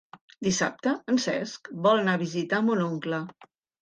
Dissabte en Cesc vol anar a visitar mon oncle.